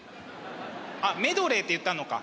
あっ「メドレー」って言ったのか。